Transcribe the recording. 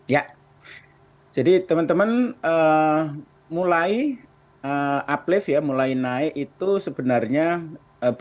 ya jadi teman teman mulai uplift ya mulai naik itu sebenarnya berbeda